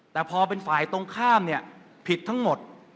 แต่พอเป็นฝ่ายตรงข้ามเนี่ยผิดทั้งหมด